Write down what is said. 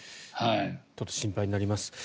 ちょっと心配になります。